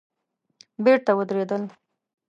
بېرته ودرېدل.